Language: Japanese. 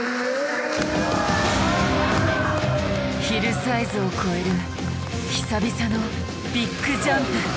ヒルサイズを越える久々のビッグジャンプ！